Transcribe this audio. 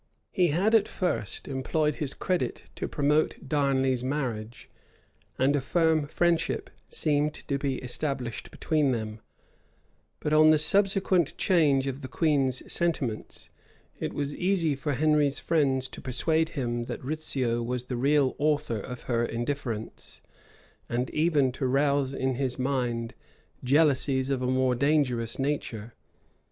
[*] He had at first employed his credit to promote Darnley's marriage; and a firm friendship seemed to be established between them; but on the subsequent change of the queen's sentiments, it was easy for Henry's friends to persuade him that Rizzio was the real author of her indifference, and even to rouse in his mind jealousies of a more dangerous nature.